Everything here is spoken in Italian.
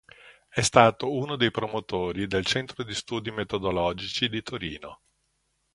È stato uno dei promotori del Centro di studi metodologici di Torino.